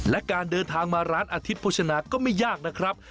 และการเดินทางมาร้านอาทิตย์โภชนาก็ไม่ยากนะครับ